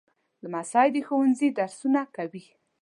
لمسی د ښوونځي درسونه کوي.